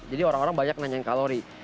jadi orang orang banyak nanyain kalori